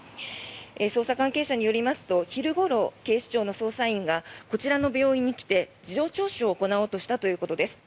捜査関係者によりますと昼ごろ、警視庁の捜査員がこちらの病院に来て事情聴取を行おうとしたということです。